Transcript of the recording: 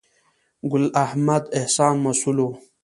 ګل احمد احسان مسؤل و.